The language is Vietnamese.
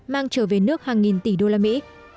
mang trở về nước hàng nghìn tỷ đô la mỹ